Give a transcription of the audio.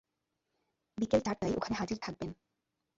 বিকেল চারটায় ওখানে হাজির থাকবেন।